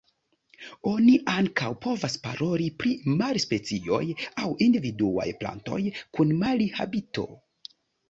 Oni ankaŭ povas paroli pri mali-specioj aŭ individuaj plantoj kun mali-habito.